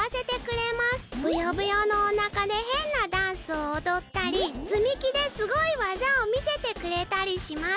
ブヨブヨのおなかでへんなダンスをおどったりつみきですごいわざをみせてくれたりします。